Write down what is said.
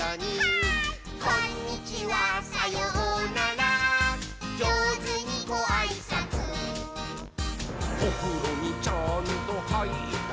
「こんにちはさようならじょうずにごあいさつ」「おふろにちゃんとはいったかい？」はいったー！